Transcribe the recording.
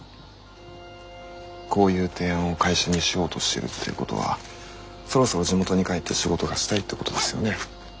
こういう提案を会社にしようとしてるっていうことはそろそろ地元に帰って仕事がしたいってことですよね？